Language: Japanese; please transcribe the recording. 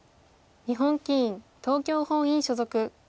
日本棋院東京本院所属。